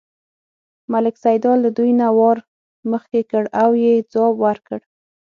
ملک سیدلال له دوی نه وار مخکې کړ او یې ځواب ورکړ.